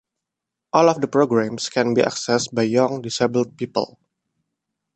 All of the programmes can be accessed by young disabled people.